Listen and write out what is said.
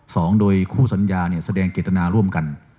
สองโดยคู่สัญญาเนี่ยแสดงเจตนาร่วมกัน